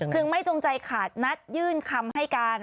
จึงไม่จงใจขาดนัดยื่นคำให้การ